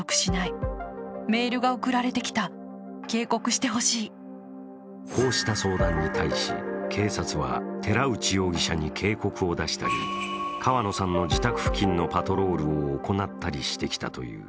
その３日後にはこうした相談に対し、警察は寺内容疑者に警告を出したり川野さんの自宅付近のパトロールを行ったりしてきたという。